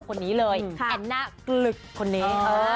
คนนี้เลยแอนน่ากลึกคนนี้